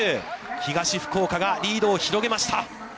東福岡がリードを広げました。